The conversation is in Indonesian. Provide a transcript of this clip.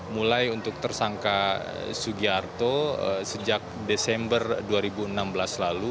mulai untuk tersangka sugiarto sejak desember dua ribu enam belas lalu